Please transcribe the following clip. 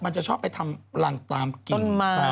มันจะชอบไปทำรังตามกินมาก